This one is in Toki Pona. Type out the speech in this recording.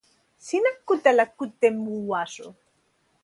sina kute ala kute e mu waso?